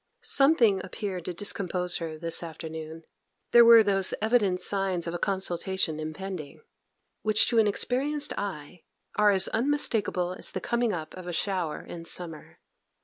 Something appeared to discompose her this afternoon; there were those evident signs of a consultation impending, which to an experienced eye are as unmistakeable as the coming up of a shower in summer.